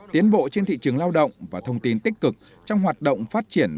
tiến bộ trên thị trường lao động và thông tin tích cực trong hoạt động phát triển